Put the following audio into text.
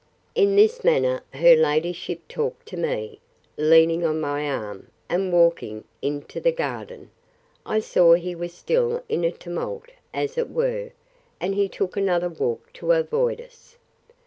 In this manner her ladyship talked to me, leaning on my arm, and walking into the garden. I saw he was still in a tumult, as it were; and he took another walk to avoid us.